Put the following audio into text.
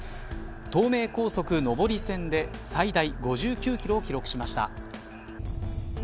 東名高速上り線で最大５９キロを記録しました。